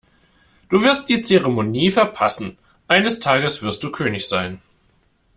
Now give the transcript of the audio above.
Du wirst die Zeremonie verpassen. Eines Tages wirst du König sein.